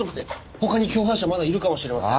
他に共犯者まだいるかもしれません。